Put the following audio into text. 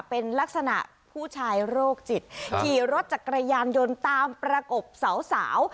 เป็นลักษณะผู้ชายโรคจิตขี่รถจักรยานยนต์ตามประกบสาว